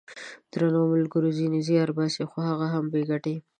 درنو ملګرو ! ځینې زیار باسي خو هغه هم بې ګټې!